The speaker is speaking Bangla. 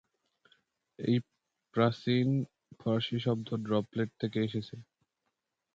এই নামটি প্রাচীন ফরাসি শব্দ "ড্রপলেট" থেকে এসেছে।